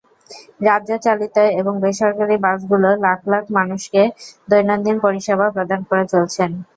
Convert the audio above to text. রাজ্য-চালিত এবং বেসরকারি বাসগুলি লাখ-লাখ মানুষকে দৈনন্দিন পরিষেবা প্রদান করে চলেছে।